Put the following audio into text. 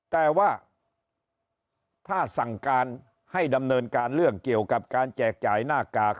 แต่ว่าถ้าสั่งการให้ดำเนินการเรื่องเกี่ยวกับการแจกจ่ายหน้ากาก